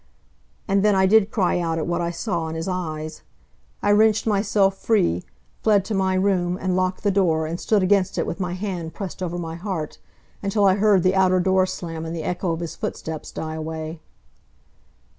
And then I did cry out at what I saw in his eyes. I wrenched myself free, fled to my room, and locked the door and stood against it with my hand pressed over my heart until I heard the outer door slam and the echo of his footsteps die away.